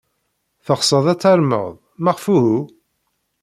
Teɣsed ad tarmed? Maɣef uhu?